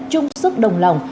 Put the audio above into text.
chung sức đồng lòng